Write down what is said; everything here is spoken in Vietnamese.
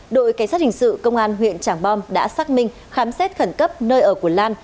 đội cảnh sát hình sự công an huyện trảng bom đã xác minh khám xét khẩn cấp nơi ở của lan